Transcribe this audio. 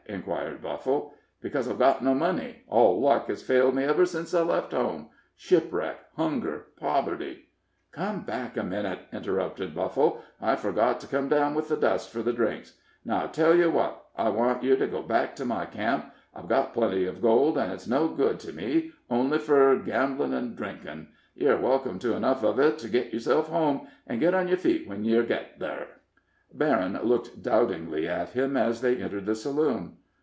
inquired Buffle. "Because I've got no money; all luck has failed me ever since I left home shipwreck, hunger, poverty " "Come back a minute," interrupted Buffle. "I forgot to come down with the dust for the drinks. Now I tell yer what I want yer to go back to my camp I've got plenty uv gold, an' it's no good to me, only fur gamblin' an' drinkin'; yer welcome to enough uv it to git yerself home, an' git on yer feet when yer get thar." Berryn looked doubtingly at him as they entered the saloon.